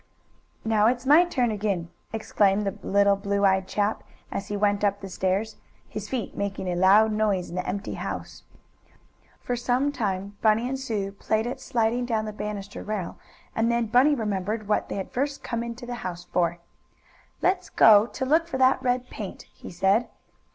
"Now it's my turn again!" exclaimed the little blue eyed chap, as he went up the stairs, his feet making a loud noise in the empty house. For some time Bunny and Sue played at sliding down the banister rail, and then Bunny remembered what they had first come into the house for. "Let's go to look for that red paint," he said.